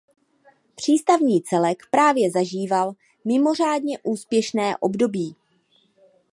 Přístavní celek právě zažíval mimořádně úspěšné období.